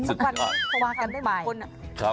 สุดท้ายครับ